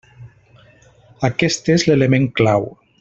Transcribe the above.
Aquest és l'element clau.